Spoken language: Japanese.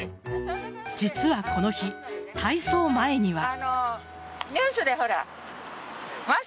実はこの日、体操前には。